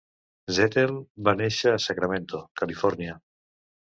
Zettel va néixer a Sacramento, California.